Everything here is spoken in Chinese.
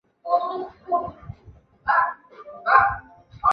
其股份分别自纽约证券交易所上市。